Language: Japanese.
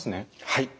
はい。